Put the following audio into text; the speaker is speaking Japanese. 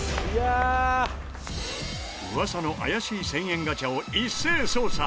噂の怪しい１０００円ガチャを一斉捜査。